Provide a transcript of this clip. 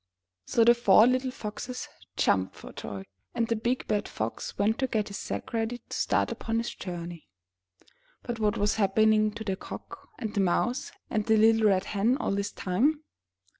So the four little foxes jumped for joy, and the big bad Fox went to get his sack ready to start upon his journey. But what was happening to the Cock, and the Mouse, and the little Red Hen, all this time?